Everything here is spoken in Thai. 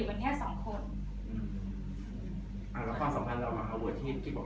นี่เปิดผลมากเลยนะสักวันนี้ไป